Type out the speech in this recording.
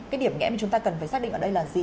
cái điểm nghẽ mà chúng ta cần phải xác định ở đây là gì